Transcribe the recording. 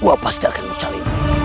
aku pasti akan mencari